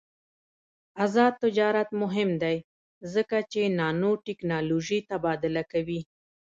آزاد تجارت مهم دی ځکه چې نانوټیکنالوژي تبادله کوي.